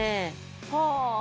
はあ。